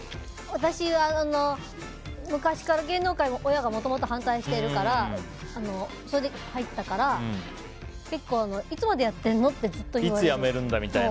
私は、昔から芸能界も親がもともと反対しているからそれで入ったから結構、いつまでやっているのってずっと言われる。